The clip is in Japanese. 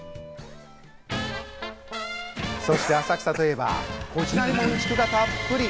そして浅草といえば、こちらにもうんちくがたっぷり。